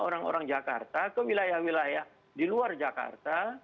orang orang jakarta ke wilayah wilayah di luar jakarta